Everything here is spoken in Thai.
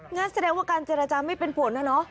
งั้นแสดงว่าการเจรจาไม่เป็นผลนะเนาะ